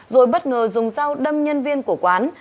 rồi bất ngờ dùng dao đâm nhân viên của quán